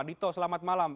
dito selamat malam